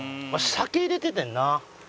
酒入れててんな。